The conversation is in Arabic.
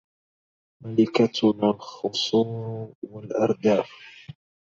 ملكتنا الخصور والأرداف